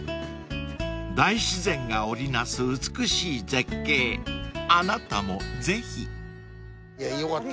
［大自然が織り成す美しい絶景あなたもぜひ］よかった